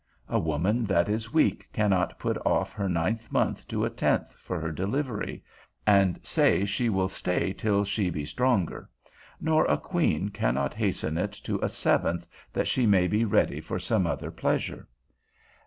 A woman that is weak cannot put off her ninth month to a tenth for her delivery, and say she will stay till she be stronger; nor a queen cannot hasten it to a seventh, that she may be ready for some other pleasure.